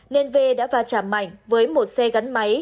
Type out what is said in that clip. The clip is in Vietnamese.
nên v đã va trả mảnh với một xe gắn máy